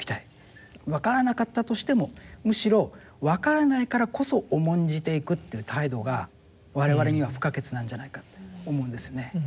わからなかったとしてもむしろわからないからこそ重んじていくっていう態度が我々には不可欠なんじゃないかって思うんですよね。